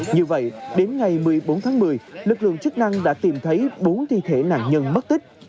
như vậy đến ngày một mươi bốn tháng một mươi lực lượng chức năng đã tìm thấy bốn thi thể nạn nhân mất tích